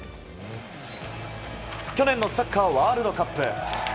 去年のサッカーワールドカップ。